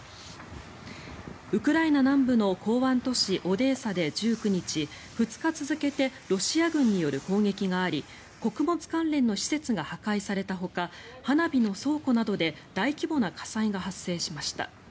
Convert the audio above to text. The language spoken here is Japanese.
ウクライナ南部の港湾都市オデーサで１９日２日続けてロシア軍による攻撃があり穀物関連の施設が破壊されたほか花火の倉庫などで大規模な火災が発生しました。